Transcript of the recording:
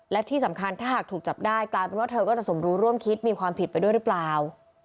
และที่สำคัญถ้าหากถูกจับได้กลายเป็นว่าเธอก็จะสมรู้ร่วมคิดมีความผิดไปด้วยหรือเปล่า